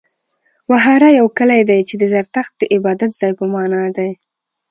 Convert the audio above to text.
وهاره يو کلی دی، چې د زرتښت د عبادت ځای په معنا دی.